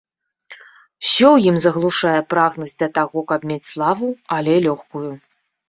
Усё ў ім заглушае прагнасць да таго, каб мець славу, але лёгкую.